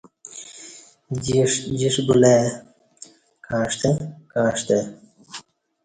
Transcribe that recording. جݜٹ جݜٹ بُلہ ای کعݜتہ کعݜتہ